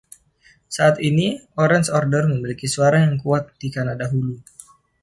Saat ini, Orange Order memiliki suara yang kuat di Kanada Hulu.